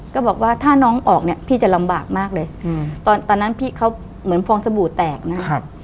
ก็บอกว่าถ้าน้องออกเนี่ยพี่จะลำบากมากเลยตอนนั้นพี่เขาเหมือนฟองสบู่แตกนะครับ